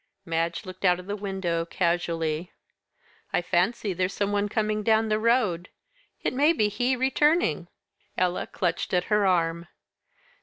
Madge looked out of the window casually. "I fancy there's some one coming down the road it may be he returning." Ella clutched at her arm.